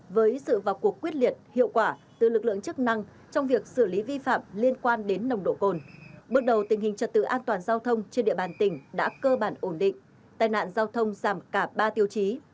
với sự vào cuộc quyết liệt hiệu quả từ lực lượng chức năng trong việc xử lý vi phạm liên quan đến nồng độ cồn bước đầu tình hình trật tự an toàn giao thông trên địa bàn tỉnh đã cơ bản ổn định tai nạn giao thông giảm cả ba tiêu chí